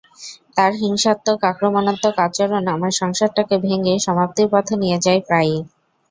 তার হিংসাত্মক, আক্রমণাত্মক আচরণ আমার সংসারটাকে ভেঙে সমাপ্তির পথে নিয়ে যায় প্রায়ই।